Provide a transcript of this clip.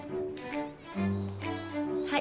はい。